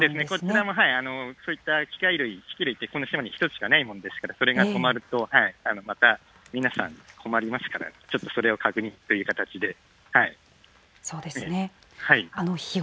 こちらもそういった機械類、機器類ってこの島に１つしかないもんですから、それが止まると、また皆さん困りますから、ちょっとそれを確認という形で。